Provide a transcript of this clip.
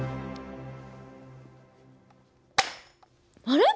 あれ？